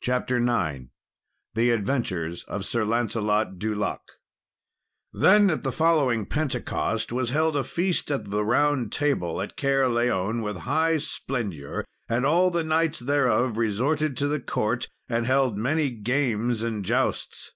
CHAPTER IX The Adventures of Sir Lancelot du Lake Then, at the following Pentecost, was held a feast of the Round Table at Caerleon, with high splendour; and all the knights thereof resorted to the court, and held many games and jousts.